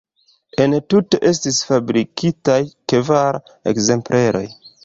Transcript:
Entute estis fabrikitaj kvar ekzempleroj.